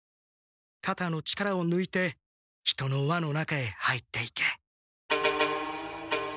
かたの力をぬいて人の輪の中へ入っていけ。